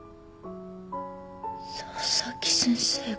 佐々木先生が。